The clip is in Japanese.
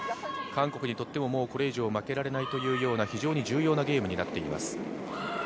韓国にとってもこれ以上負けられないというような非常に重要なゲームになっています。